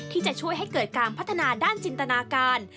ที่จะช่วยให้เกิดการพัฒนาด้านจินตนาการ